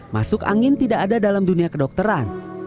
masuk angin tidak ada dalam dunia kedokteran